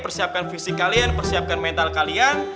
persiapkan fisik kalian persiapkan mental kalian